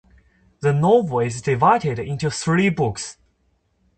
The novel is divided into three books.